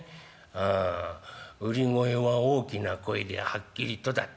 ああ売り声は大きな声ではっきりとだっけな。